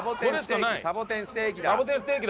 サボテンステーキ。